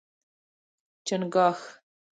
🦀 چنګاښ